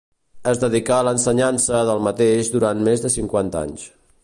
Es dedicà a l'ensenyança del mateix durant més de cinquanta anys.